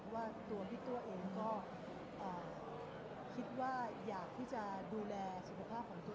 ว่าตัวพี่ตัวเองก็คิดว่าอยากที่จะดูแลสุขภาพของตัวเอง